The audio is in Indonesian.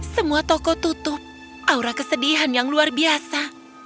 semua toko tutup aura kesedihan yang luar biasa